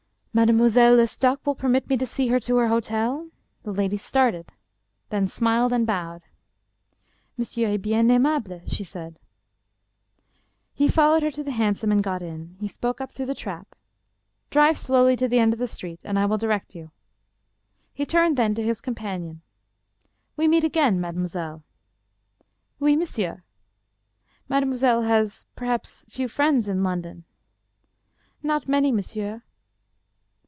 " Mademoiselle Lestocq will permit me to see her to her hotel?" he said quietly. The lady started, then smiled and bowed. " Monsieur est bien aimable," she said. He followed her to the hansom and got in. He spoke up through the trap. " Drive slowly to the end of the street, and I will direct you." He turned then to his companion. " We meet again, mademoiselle." " Oui, monsieur." " Mademoiselle has, perhaps, few friends in London." " Not many, monsieur."